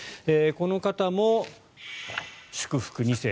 この方も祝福２世。